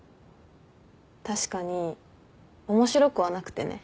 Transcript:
確かに面白くはなくてね。